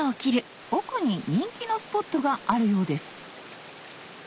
奥に人気のスポットがあるようです